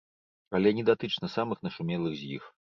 Але не датычна самых нашумелых з іх.